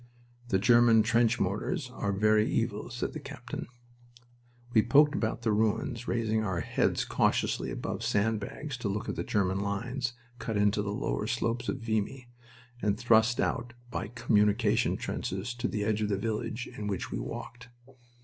"The German trench mortars are very evil," said the captain. We poked about the ruins, raising our heads cautiously above sand bags to look at the German lines cut into the lower slopes of Vimy, and thrust out by communication trenches to the edge of the village in which we walked.